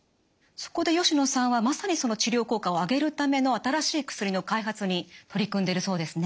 そこで吉野さんはまさにその治療効果を上げるための新しい薬の開発に取り組んでいるそうですね。